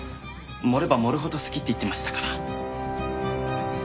盛れば盛るほど好きって言ってましたから。